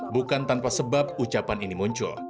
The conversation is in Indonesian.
bukan tanpa sebab ucapan ini muncul